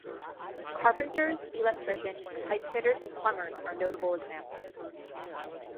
Carpenters, electricians, pipefitters and plumbers are notable examples.